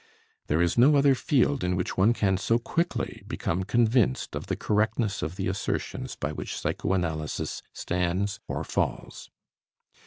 There is no other field in which one can so quickly become convinced of the correctness of the assertions by which psychoanalysis stands or falls.